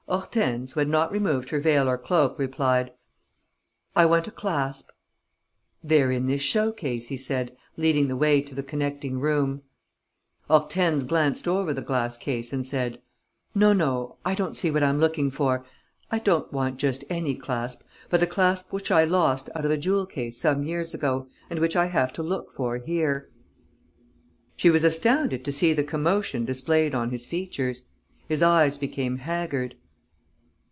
Hortense, who had not removed her veil or cloak, replied: "I want a clasp." "They're in this show case," he said, leading the way to the connecting room. Hortense glanced over the glass case and said: "No, no, ... I don't see what I'm looking for. I don't want just any clasp, but a clasp which I lost out of a jewel case some years ago and which I have to look for here." She was astounded to see the commotion displayed on his features. His eyes became haggard.